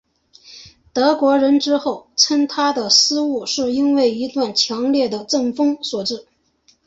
德国人之后称他的失误是因为一股强烈的阵风所致。